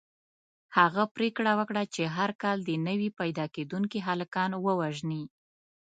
هغه پرېکړه وکړه چې هر کال دې نوي پیدا کېدونکي هلکان ووژني.